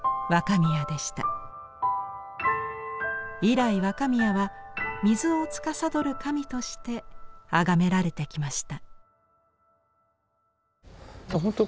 以来若宮は水をつかさどる神としてあがめられてきました。